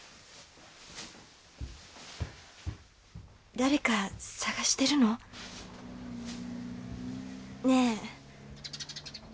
誰か捜してるの？ねぇ？